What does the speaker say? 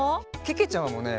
けけちゃまもね